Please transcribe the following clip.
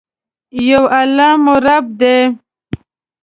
یو الله مو رب دي.